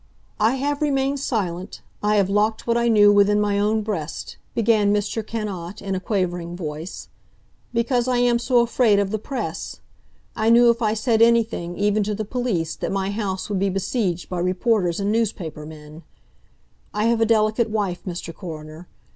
"I have remained silent—I have locked what I knew within my own breast"—began Mr. Cannot in a quavering voice, "because I am so afraid of the Press! I knew if I said anything, even to the police, that my house would be besieged by reporters and newspaper men. ... I have a delicate wife, Mr. Coroner.